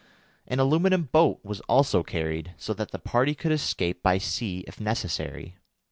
An aluminium boat was also carried, so that the party could escape by sea if necessary.